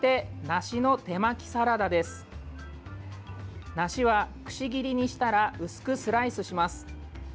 梨は、くし切りにしたら薄くスライスします。